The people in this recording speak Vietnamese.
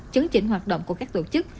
chứng chỉnh hoạt động của các tổ chức